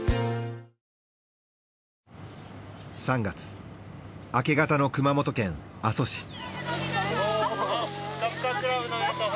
３月明け方の熊本県阿蘇市。